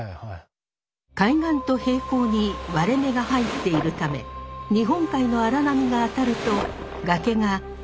海岸と平行に割れ目が入っているため日本海の荒波が当たると崖が板状に剥がれ落ち